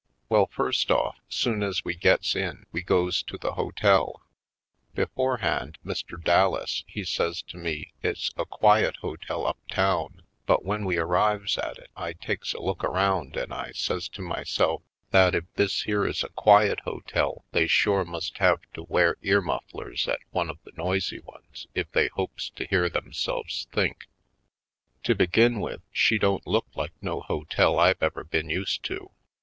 Well, first off, soon as wc gets in, we goes to the hotel. Beforehand, Mr. Dallas he says to mc it's a quiet hotel up town; but when we arrives at it I takes a look around and I says to myself that if this here is a 42 /. PoindexteVy Colored quiet hotel they shore must have to wear ear mufilers at one of the noisy ones if they hopes to hear themselves think. To begin with, she don't look like no hotel I've ever been used to.